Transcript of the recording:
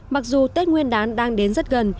mặc dù tết nguyên đán đang đến rất gần